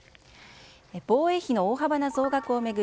防衛費の大幅な増額を巡り